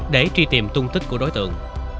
để truy tìm tung tích của đối tượng